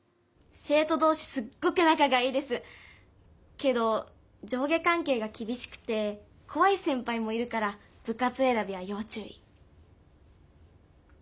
けど上下関係が厳しくて怖い先輩もいるから部活選びは要注意。